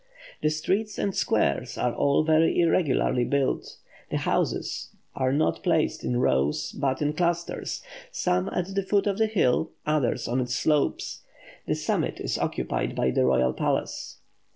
The streets and squares are all very irregularly built; the houses are not placed in rows, but in clusters some at the foot of the hill, others on its slopes. The summit is occupied by the royal palace.